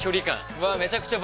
うわ。